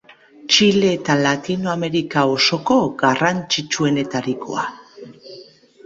Txile eta Latinoamerika osoko garrantzitsuenetarikoa.